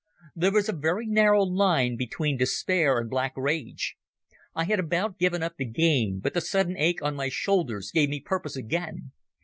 There is a very narrow line between despair and black rage. I had about given up the game, but the sudden ache of my shoulders gave me purpose again.